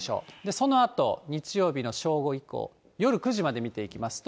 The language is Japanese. そのあと日曜日の正午以降、夜９時まで見ていきますと。